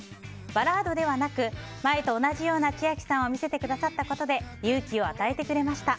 バラードではなく前と同じような千秋さんを見せてくださったことで勇気を与えてくれました。